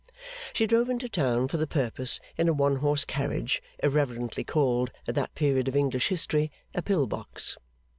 She drove into town for the purpose in a one horse carriage irreverently called at that period of English history, a pill box.